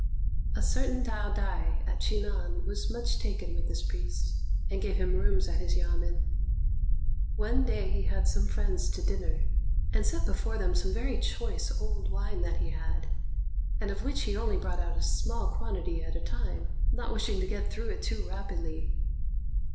A certain Taot'ai, at Chi nan, was much taken with this priest, and gave him rooms at his yamên. One day, he had some friends to dinner, and set before them some very choice old wine that he had, and of which he only brought out a small quantity at a time, not wishing to get through it too rapidly.